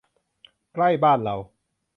ใกล้บ้านเรา